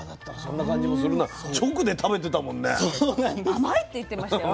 甘いって言ってましたよ。